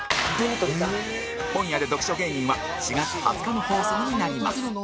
本屋で読書芸人は４月２０日の放送になります